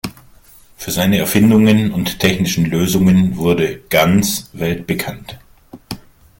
Für seine Erfindungen und technischen Lösungen wurde Ganz weltbekannt.